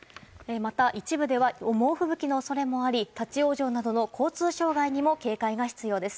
また一部では猛吹雪の恐れもあり対応場などの交通障害などに警戒が必要です。